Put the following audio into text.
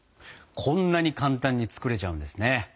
こんなに簡単に作れちゃうんですね。